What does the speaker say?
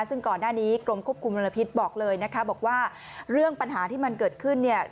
ซึ่งก่อนหน้านี้กรมควบคุมมลพิษบอกเลยนะคะบอกว่าเรื่องปัญหาที่มันเกิดขึ้นเนี่ย